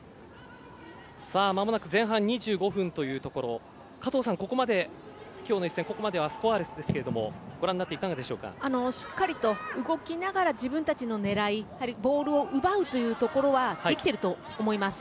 まもなく前半２５分というところ加藤さん、ここまでスコアレスですがしっかりと動きながら自分たちの狙いボールを奪うというところはできていると思います。